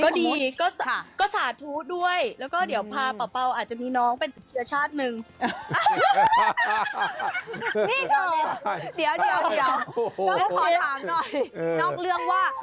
ก็ดีก็สาธุด้วยแล้วก็เดี๋ยวพาเปล่าอาจจะมีน้องเป็นเชื้อชาติหนึ่ง